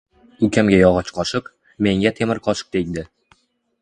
Ukamga yog‘och qoshiq, menga temir qoshiq tegdi.